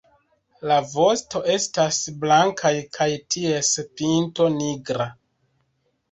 La vosto estas blankaj kaj ties pinto nigra.